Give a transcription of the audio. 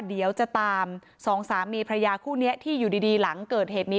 เดี๋ยวจะตามสองสามีพระยาคู่นี้ที่อยู่ดีหลังเกิดเหตุนี้